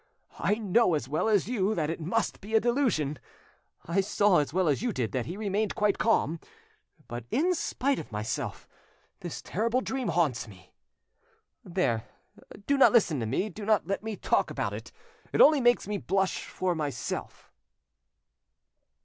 I know as well as you that it must be a delusion, I saw as well as you did that he remained quite calm, but, in spite of myself, this terrible dream haunts me ... .There, do not listen to me, do not let me talk about it; it only makes me blush for myself."